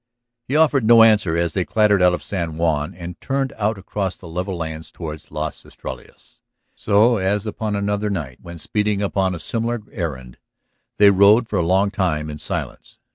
He offered no answer as they clattered out of San Juan and turned out across the level lands toward Las Estrellas. So, as upon another night when speeding upon a similar errand, they rode for a long time in silence.